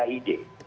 kita boleh berbeda